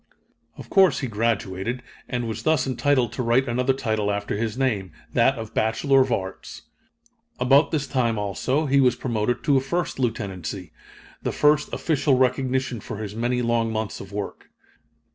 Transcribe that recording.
Of course he graduated, and was thus entitled to write another title after his name that of Bachelor of Arts. About this time, also, he was promoted to a first lieutenancy, the first official recognition for his many long months of work.